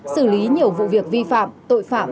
xử lý nhiều vụ việc vi phạm tội phạm